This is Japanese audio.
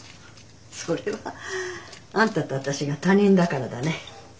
それはあんたと私が他人だからだね。